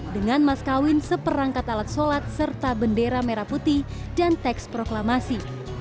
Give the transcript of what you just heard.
dengan maskawin seperangkat alat sholat serta bendera merah putih dan teks proklamasi